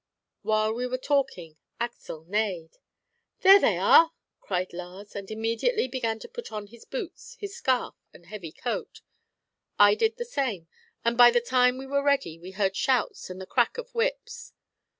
While we were talking, Axel neighed. "There they are!" cried Lars, and immediately began to put on his boots, his scarf, and heavy coat. I did the same, and by the time we were ready we heard shouts and the crack of whips.